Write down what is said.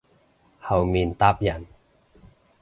後面搭人